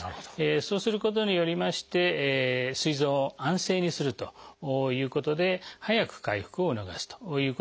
そうすることによりましてすい臓を安静にするということで早く回復を促すということにつながります。